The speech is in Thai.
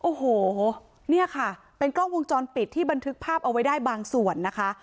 โอ้โหเนี่ยค่ะเป็นกล้องวงจรปิดที่บันทึกภาพเอาไว้ได้บางส่วนนะคะ